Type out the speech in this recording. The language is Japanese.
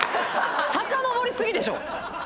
さかのぼりすぎでしょ。